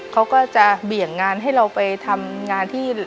เขาก็จะเบี่ยงงานให้เราไปทำงานที่